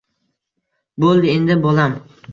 Bo‘ldi endi, bolam!